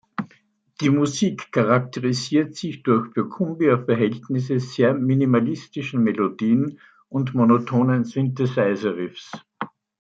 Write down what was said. Die Musik charakterisiert sich durch für Cumbia-Verhältnisse sehr minimalistischen Melodien und monotonen Synthesizer-Riffs.